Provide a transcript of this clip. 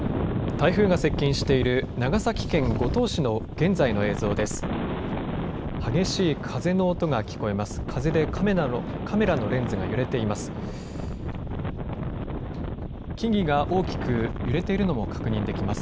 台風が接近している長崎県五島市の現在の映像です。